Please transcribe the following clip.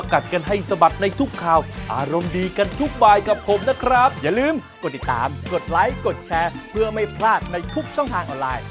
เค่ะโอเคให้ค่อยุ่นเป็นปืนสวัสดีเสมอมาเป็นอัลฟึม๒๐๒๒